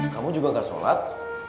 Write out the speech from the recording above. kamu juga gak sholat